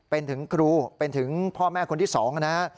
เป็นถึงครูเป็นถึงพ่อแม่คนที่๒นะฮะ